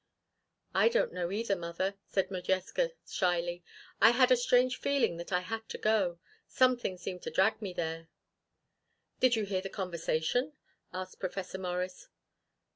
"I don't know either, mother," said Modjeska, shyly. "I had a strange feeling that I had to go. Something seemed to drag me there." "Did you hear the conversation?" asked Professor Morris.